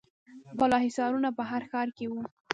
بالاحصارونه په هر ښار کې وو